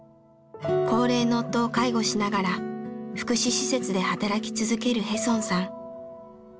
高齢の夫を介護しながら福祉施設で働き続けるヘソンさん。